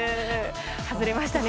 外れましたね。